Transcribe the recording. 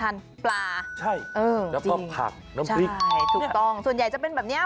ทานปลาจริงใช่ถูกต้องส่วนใหญ่จะเป็นแบบนี้